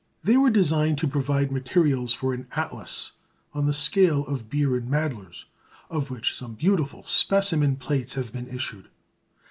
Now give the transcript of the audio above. They were designed to provide materials for an atlas on the scale of Beer and Mädler's, of which some beautiful specimen plates have been issued.